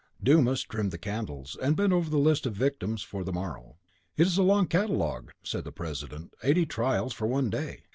Dumas trimmed the candles, and bent over the list of the victims for the morrow. "It is a long catalogue," said the president; "eighty trials for one day!